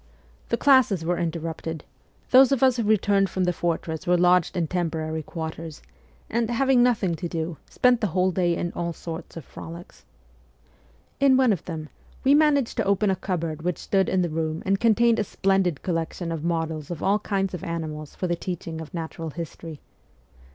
The classes were interrupted ; those of us who returned from the fortress were lodged in temporary quarters, and, having nothing to do, spent the whole day in all sorts of frolics. In one of them we managed to open a cupboard which stood in the room and contained a splendid collection of models of all kinds of animals for the teaching of natural history.